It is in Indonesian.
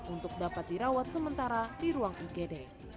untuk dapat dirawat sementara di ruang igd